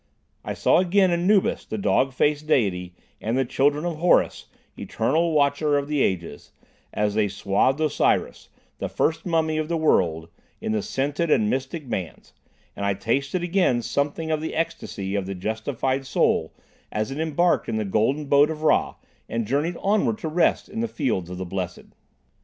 I saw again Anubis, the dog faced deity, and the children of Horus, eternal watcher of the ages, as they swathed Osiris, the first mummy of the world, in the scented and mystic bands, and I tasted again something of the ecstasy of the justified soul as it embarked in the golden Boat of Ra, and journeyed onwards to rest in the fields of the blessed.